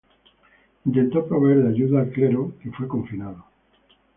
Intentó proveer de ayuda al clero que fue confinado.